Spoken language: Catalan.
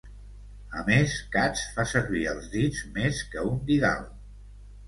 A més, Katz fa servir els dits més que un didal.